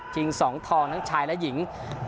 ๒ทองทั้งชายและหญิง